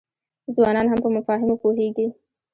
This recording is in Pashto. ځوانان هم په مفاهیمو پوهیږي.